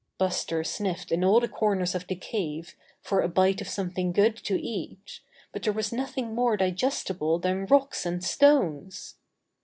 Buster sniffed in all the corners of the cave for a bite of something good to eat, but there was nothing more digestible than rocks and stones.